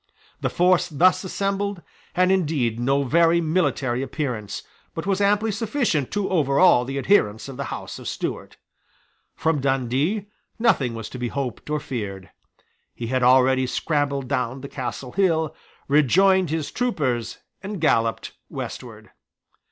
The force thus assembled had indeed no very military appearance, but was amply sufficient to overawe the adherents of the House of Stuart. From Dundee nothing was to be hoped or feared. He had already scrambled down the Castle hill, rejoined his troopers, and galloped westward.